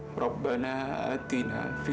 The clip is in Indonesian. berikanlah kami yang terbaik